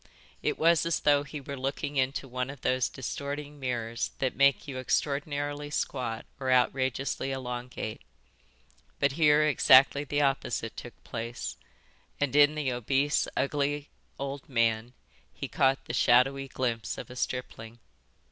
It was as though he were looking into one of those distorting mirrors that make you extraordinarily squat or outrageously elongate, but here exactly the opposite took place, and in the obese, ugly old man he caught the shadowy glimpse of a stripling.